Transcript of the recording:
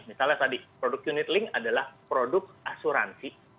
misalnya tadi produk unit link adalah produk asuransi